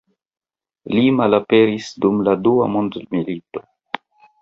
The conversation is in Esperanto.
Li malaperis dum la dua mondmilito.